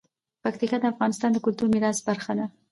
پکتیکا د افغانستان د کلتوري میراث برخه ده.